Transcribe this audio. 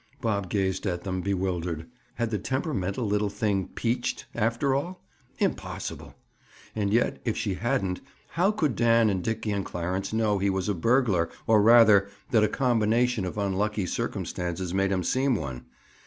Bob gazed at them, bewildered. Had the temperamental little thing "peached," after all? Impossible! And yet if she hadn't, how could Dan and Dickie and Clarence know he was a burglar—or rather, that a combination of unlucky circumstances made him seem one?